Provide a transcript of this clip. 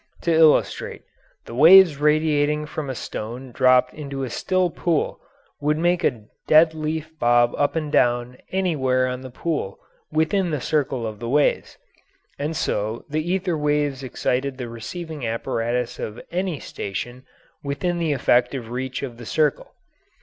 To illustrate: the waves radiating from a stone dropped into a still pool would make a dead leaf bob up and down anywhere on the pool within the circle of the waves, and so the ether waves excited the receiving apparatus of any station within the effective reach of the circle.